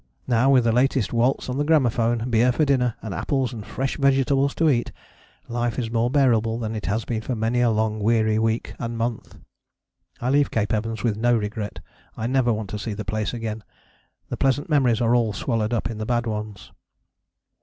Now, with the latest waltz on the gramophone, beer for dinner and apples and fresh vegetables to eat, life is more bearable than it has been for many a long weary week and month. I leave Cape Evans with no regret: I never want to see the place again. The pleasant memories are all swallowed up in the bad ones."